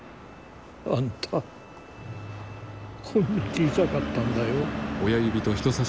あんたこんな小さかったんだよ。